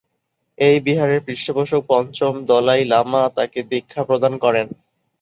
এই বিহারের পৃষ্ঠপোষক পঞ্চম দলাই লামা তাকে দীক্ষা প্রদান করেন।